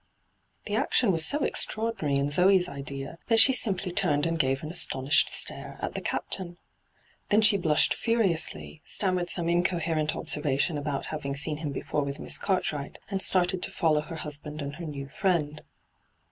The action was so extraordinary in Zee's idea that she simply turned and gave an astonished stare at the Captain. Then she blushed furiously, stammered some incoherent observation about having seen him before with Miss Cartwright, and started to follow her husband and her new friend.